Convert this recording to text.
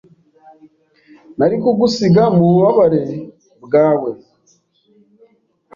Nari kugusiga mububabare bwawe,